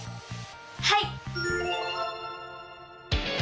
はい！